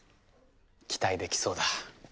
期待できそうだ。